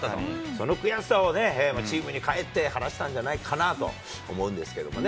その悔しさをね、チームに帰って晴らしたんじゃないかなと思うんですけどね。